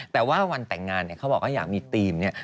แต่ว่าวันแต่งงานเนี่ยเขาบอกว่าอยากมีธีมเนี่ย